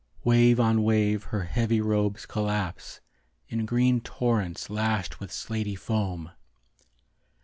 Wave on wave her heavy robes collapse In green torrents Lashed with slaty foam.